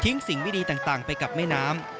ทิ้งสิ่งวิธีต่างไปกับแม่น้ำ